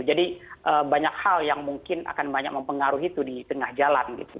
jadi banyak hal yang mungkin akan banyak mempengaruhi itu di tengah jalan gitu